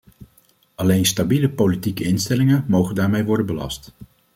Alleen stabiele politieke instellingen mogen daarmee worden belast.